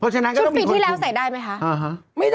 ชุดฟรีที่แล้วใส่ได้ไหมคะ